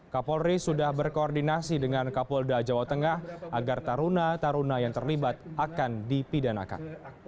kapolri sudah berkoordinasi dengan kapolda jawa tengah agar taruna taruna yang terlibat akan dipidanakan